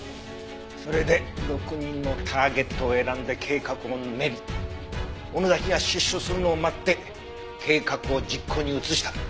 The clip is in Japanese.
それで６人のターゲットを選んで計画を練り尾野崎が出所するのを待って計画を実行に移した。